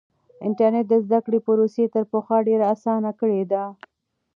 انټرنیټ د زده کړې پروسه تر پخوا ډېره اسانه کړې ده.